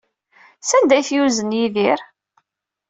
Sanda ay t-yuzen Yidir?